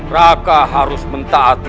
raka harus mentaati aturan